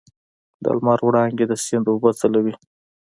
د لمر وړانګې د سیند اوبه ځلوي.